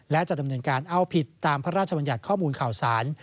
และจะดำเนินการเอาผิดตามพระราชบัญญัติข้อมูลข่าวสาร